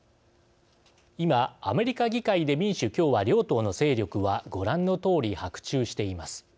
今、アメリカ議会で民主・共和両党の勢力はご覧のとおり伯仲しています。